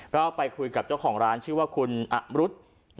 ก็ไปคุยกับเจ้าของร้านชื่อว่าคุณอำรุษ